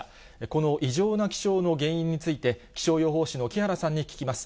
この異常な気象の原因について、気象予報士の木原さんに聞きます。